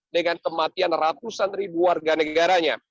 dengan kematian ratusan ribu warga negaranya